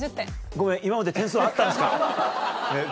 ごめん今まで点数あったんですか？